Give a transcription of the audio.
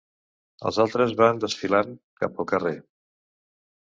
Els altres van desfilant cap al carrer.